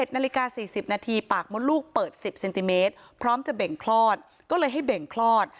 ๑นาฬิกา๔๐นาทีปากมดลูกเปิด๑๐เซนติเมตรพร้อมจะเบ่งคลอดก็เลยให้เบ่งคลอด